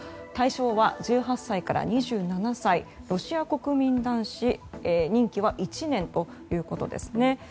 対象は１８歳から２７歳ロシア国民男子任期は１年ということですね。